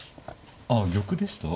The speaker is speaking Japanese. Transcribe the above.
ああ玉でした。